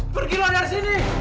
pergilah dari sini